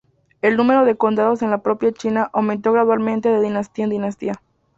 El número de condados en la propia China aumentó gradualmente de dinastía en dinastía.